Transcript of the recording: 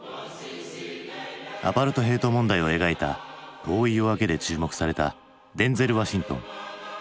アパルトヘイト問題を描いた「遠い夜明け」で注目されたデンゼル・ワシントン。